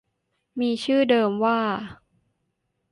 มีชื่อเดิมว่า